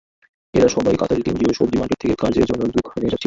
এঁরা সবাই কাতারের কেন্দ্রীয় সবজি মার্কেট থেকে কাজের জন্য দুখানে যাচ্ছিলেন।